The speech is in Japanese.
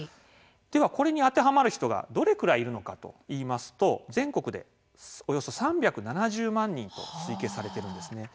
では、これに当てはまる人がどれくらいいるのかといいますと全国で、およそ３７０万人と推計されているんですね。